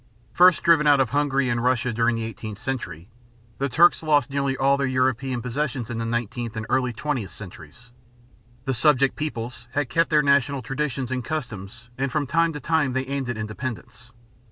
First driven out of Hungary and Russia during the eighteenth century, the Turks lost nearly all their European possessions in the nineteenth and early twentieth centuries. The subject peoples had kept their national traditions and customs and from time to time they aimed at independence.